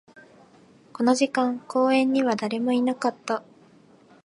この時間、公園には誰もいなかった